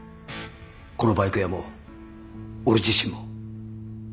このバイク屋も俺自身も